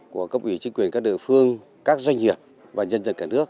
của cấp ủy chính quyền các địa phương các doanh nghiệp và nhân dân cả nước